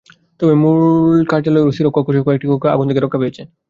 তবে মূল কার্যালয়ের ওসির কক্ষসহ কয়েকটি কক্ষ আগুন থেকে রক্ষা পেয়েছে।